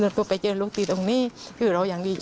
แล้วก็ยัดลงถังสีฟ้าขนาด๒๐๐ลิตร